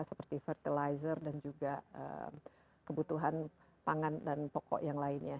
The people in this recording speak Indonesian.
seperti fertilizer dan juga kebutuhan pangan dan pokok yang lainnya